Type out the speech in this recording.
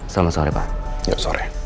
selamat sore pak